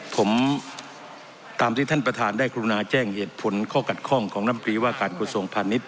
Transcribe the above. ผมตามที่ท่านประธานได้กรุณาแจ้งเหตุผลข้อขัดข้องของน้ำตรีว่าการกระทรวงพาณิชย